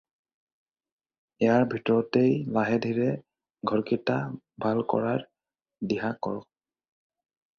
ইয়াৰ ভিতৰতে লাহে-ধীৰে ঘৰকেইটা ভাল কৰাৰ দিহা কৰক।